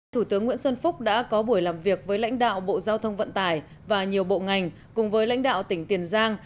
thủ tướng nguyễn xuân phúc đã có buổi làm việc với lãnh đạo bộ giao thông vận tải và nhiều bộ ngành cùng với lãnh đạo tỉnh tiền giang